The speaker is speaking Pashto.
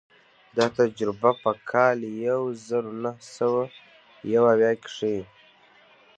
دا تجربه په کال یو زر نهه سوه یو اویا کې ښيي.